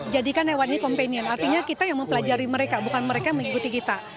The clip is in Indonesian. jadikan hewannya kompenien artinya kita yang mempelajari mereka bukan mereka yang mengikuti kita